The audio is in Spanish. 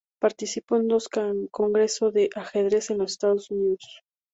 Participó en dos Congreso de Ajedrez de los Estados Unidos.